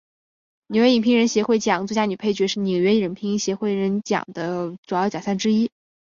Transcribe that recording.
纽约影评人协会奖最佳女配角是纽约影评人协会奖的主要奖项之一。